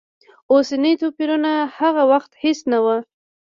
اوسني توپیرونه هغه وخت هېڅ نه و.